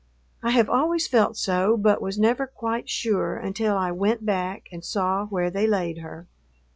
I have always felt so, but was never quite sure until I went back and saw where they laid her.